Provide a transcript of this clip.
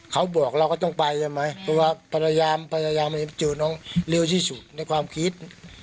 เขาบอกเราก็ต้องไปใช่ไหมเพราะว่าพยายามพยายามเจอน้องเร็วที่สุดในความคิด